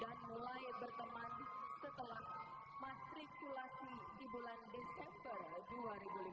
dan mulai berteman setelah matrikulasi di bulan desember dua ribu lima belas